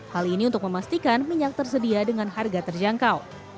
hal ini untuk memastikan minyak tersedia dengan harga terjangkau